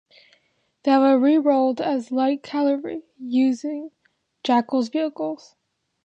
They have re-roled as "light cavalry", using Jackal vehicles.